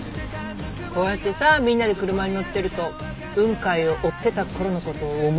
こうやってさみんなで車に乗ってると雲海を追ってたころのこと思い出さない？